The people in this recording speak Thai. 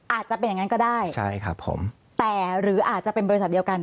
อาจจะเป็นอย่างนั้นก็ได้ใช่ครับผมแต่หรืออาจจะเป็นบริษัทเดียวกัน